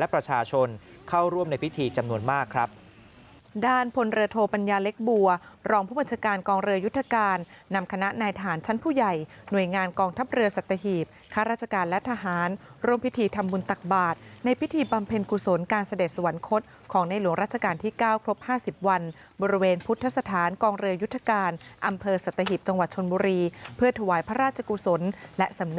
พระบันชการกองเรือยุธกาลนำคณะนายทหารชั้นผู้ใหญ่หน่วยงานกองทัพเรือสัตวิปคาดราชกาลและทหารรวมพิธีทำบุญตักบาทในพิธีปรัมเพ็ญกุศลการเสด็จสวรรคตของในหลวงราชกาลที่๙ครบ๕๐วันบริเวณพุทธศาสตร์กองเรือยุธกาลอำเภอสัตวิปจังหวัดชนบุรีเพื่อถวายพระราชกุศลและสำนึ